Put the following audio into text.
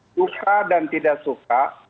suka dan tidak suka